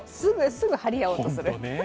すぐ張りあおうとする。